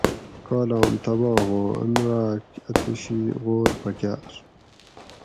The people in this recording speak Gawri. کالام تباہ ھواں ان راک اتوڛی غور پکاۤر